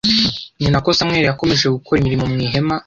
ni na ko Samweli yakomeje gukora imirimo mu ihema